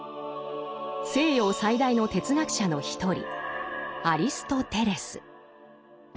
西洋最大の哲学者の一人アリストテレス。